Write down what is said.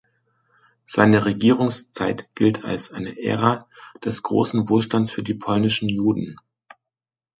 Seine Regierungszeit gilt als eine Ära des großen Wohlstands für die polnischen Juden.